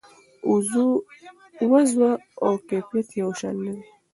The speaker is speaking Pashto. وضوح او کیفیت یو شان نه دي.